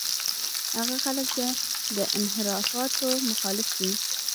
هغه خلک چې د انحرافاتو مخالف دي.